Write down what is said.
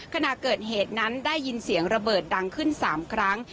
ขณะเกิดเหตุนั้นได้ยินเสียงระเบิดดังขึ้น๓ครั้ง